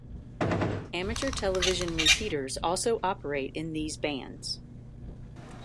Amateur television repeaters also operate in these bands.